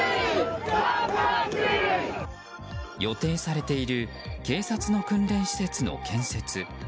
予定されている警察の訓練施設の建設。